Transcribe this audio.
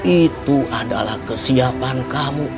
itu adalah kesiapan kamu